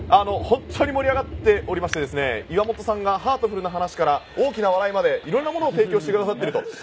本当に盛り上がっておりまして岩本さんがハートフルな話から大きな笑いまで色々なものを提供してくださっていると。